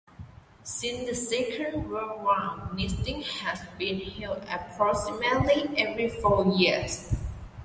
Since the Second World War, meetings have been held approximately every four years.